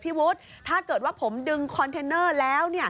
วุฒิถ้าเกิดว่าผมดึงคอนเทนเนอร์แล้ว